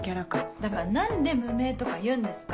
だから何で「無名」とか言うんですか！